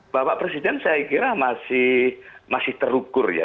bapak presiden saya kira masih terukur ya